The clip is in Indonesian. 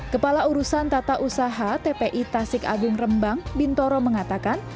kepala urusan tata usaha tpi tasik agung rembang bintoro mengatakan